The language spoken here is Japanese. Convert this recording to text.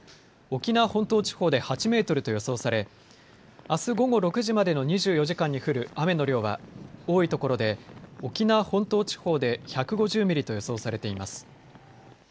沖縄本島地方で８メートルと予想されあす午後６時までの２４時間に降る雨の量は多い所で沖縄本島地方で１５０ミリと予想されています。